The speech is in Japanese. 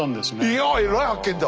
いやえらい発見だ！